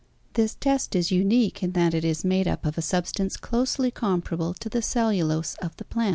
This test is unique in that it is made up of a substance closely comparable to the cellulose of the plant.